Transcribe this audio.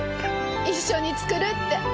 一緒に作るって。